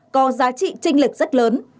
có giá trị tranh lực rất lớn